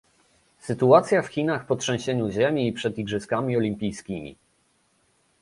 Sytuacja w Chinach po trzęsieniu ziemi i przed igrzyskami olimpijskimi